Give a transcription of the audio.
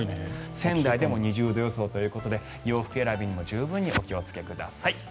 仙台でも２０度予想ということで洋服選びにも十分にお気をつけください。